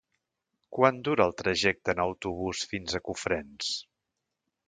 Quant dura el trajecte en autobús fins a Cofrents?